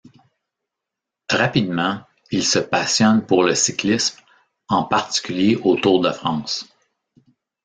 Rapidement, il se passionne pour le cyclisme, en particulier au Tour de France.